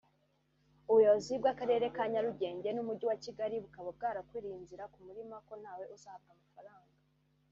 ubuyobozi bw’Akarere ka Nyarugenge n’Umujyi wa Kigali bukaba bwarabakuriye inzira ku murima ko ntawe uzahabwa amafaranga